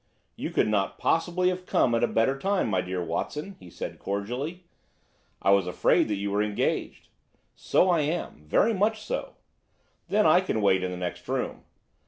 "You could not possibly have come at a better time, my dear Watson," he said cordially. "I was afraid that you were engaged." "So I am. Very much so." "Then I can wait in the next room."